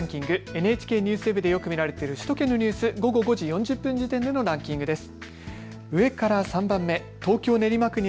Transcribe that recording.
ＮＨＫＮＥＷＳＷＥＢでよく見られている首都圏のニュース、午後５時４０分時点のランキングです。